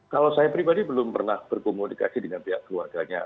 kalau saya pribadi belum pernah berkomunikasi dengan pihak keluarganya